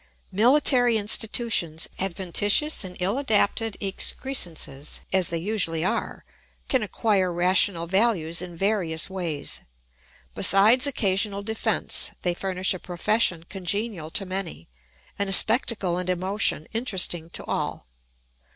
] Military institutions, adventitious and ill adapted excrescences as they usually are, can acquire rational values in various ways. Besides occasional defence, they furnish a profession congenial to many, and a spectacle and emotion interesting to all.